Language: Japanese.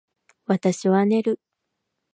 私は寝る